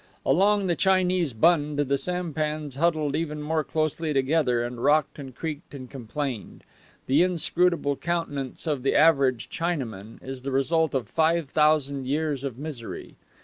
Along the Chinese Bund the sampans huddled even more closely together, and rocked and creaked and complained. The inscrutable countenance of the average Chinaman is the result of five thousand years of misery.